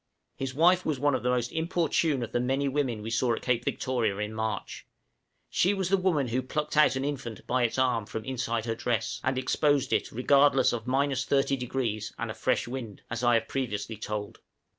His wife was one of the most importunate of the many women we saw at Cape Victoria in March. She was the woman who plucked out an infant by its arm from inside her dress, and exposed it regardless of 30° and a fresh wind, as I have previously told.